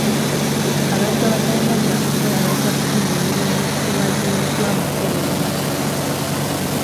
Abantu abatalina kya kukola bajja kufuna emirimu mu kifo awazimbiddwa amakolero.